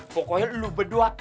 pokoknya lo berdua